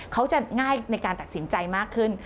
เขาจะง่ายในการตัดสินใจมากขึ้น